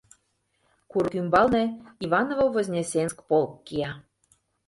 Курык ӱмбалне Иваново-Вознесенск полк кия.